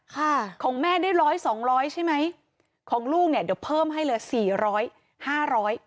ของแม่ได้ร้อยสองร้อยใช่ไหมของลูกเนี่ยเดี๋ยวเพิ่มให้เลยสี่ร้อยห้าร้อย